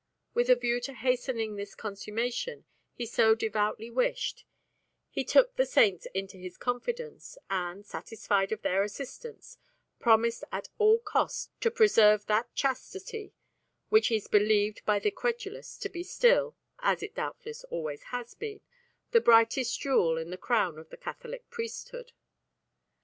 With a view to hastening this consummation he so devoutly wished, he took the Saints into his confidence, and, satisfied of their assistance, promised at all costs to preserve that chastity which is believed by the credulous to be still as it doubtless always has been the brightest jewel in the crown of the Catholic priesthood.